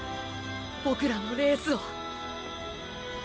ボクらのレースを。